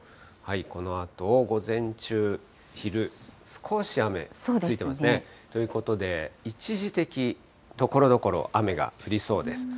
このあと、午前中、昼、少し雨ついてますね。ということで、一時的、ところどころ、雨が降りそうです。